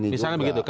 karena gini juga